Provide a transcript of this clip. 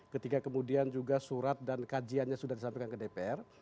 ketika kemudian juga surat dan kajiannya sudah disampaikan ke dpr